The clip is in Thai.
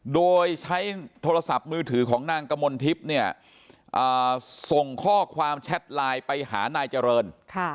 โดยใช้โทรศัพท์มือถือของนางกมลทิพย์เนี่ยส่งข้อความแชทไลน์ไปหานายเจริญ